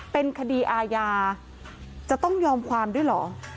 เป็นคดีอาญาจะต้องยอมความด้วยเหรอ